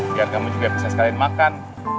biar kamu juga bisa sekalian makan